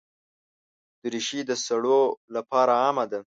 دریشي د سړو لپاره عامه ده.